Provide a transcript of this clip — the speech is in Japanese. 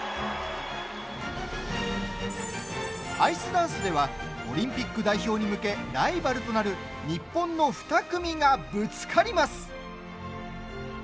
アイスダンスではオリンピック代表に向けライバルとなる日本の２組がぶつかります。